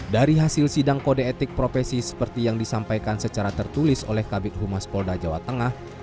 dari hasil sidang kode etik profesi seperti yang disampaikan secara tertulis oleh kabit humas polda jawa tengah